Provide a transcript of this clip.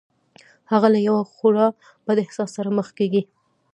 هغه له یوه خورا بد احساس سره مخ کېږي